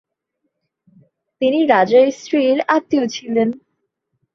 তিনি রাজার স্ত্রীর আত্মীয় ছিলেন।